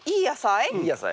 いい野菜？